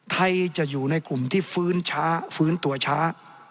ไทยจะอยู่ในกลุ่มที่ฟื้นช้าฟื้นตัวช้า